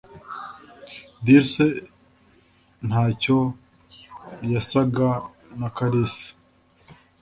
Dulce ntacyo yasaga na Kalisa.